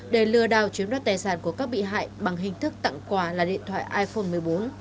để lừa đảo chiếm đoạt tài sản của các bị hại bằng hình thức tặng quà là điện thoại iphone một mươi bốn